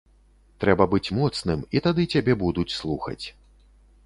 Трэба быць моцным, і тады цябе будуць слухаць.